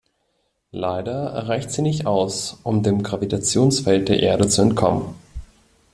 Leider reicht sie nicht aus, um dem Gravitationsfeld der Erde zu entkommen.